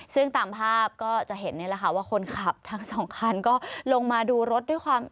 ซึ่งตามภาพก็จะเห็นนี่แหละค่ะว่าคนขับทั้งสองคันก็ลงมาดูรถด้วยความ